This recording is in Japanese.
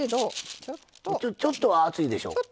ちょっと熱いでしょ。